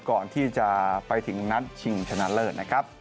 ก่อนที่จะไปถึงนัดชิงชนะเลิศนะครับ